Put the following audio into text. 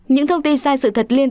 những thông tin sai sự thật liên tục